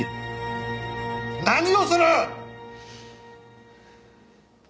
何をする！